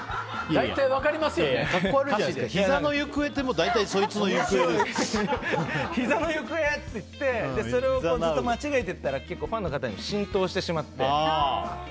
歌詞で、ひざの行方ってひざの行方って言ってそれをずっと間違えてたらファンの方にも浸透してしまって。